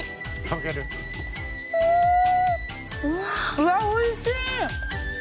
うわおいしい！